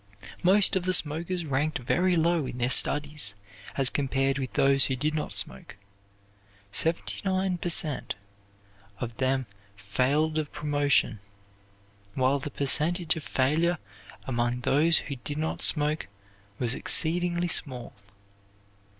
Most of the smokers ranked very low in their studies as compared with those who did not smoke. Seventy nine per cent. of them failed of promotion, while the percentage of failure among those who did not smoke was exceedingly small.